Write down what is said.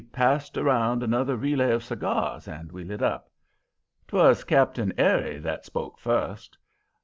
passed around another relay of cigars and we lit up. 'Twas Cap'n Eri that spoke first.